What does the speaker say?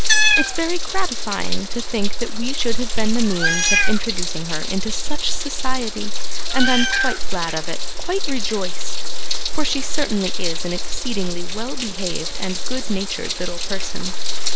It's very gratifying to think that we should have been the means of introducing her into such society, and I'm quite glad of it quite rejoiced for she certainly is an exceedingly well behaved and good natured little person.